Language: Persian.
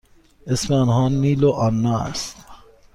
اسم آنها نیل و آنا است.